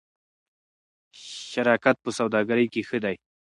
شراکت په سوداګرۍ کې ښه دی.